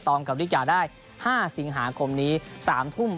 กับริกาได้๕สิงหาคมนี้๓ทุ่ม